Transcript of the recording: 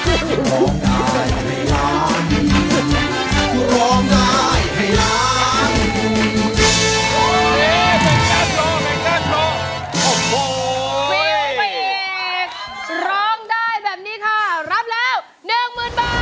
กูร้องได้ให้ร้าง